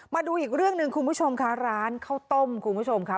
มาดูอีกเรื่องหนึ่งคุณผู้ชมค่ะร้านข้าวต้มคุณผู้ชมค่ะ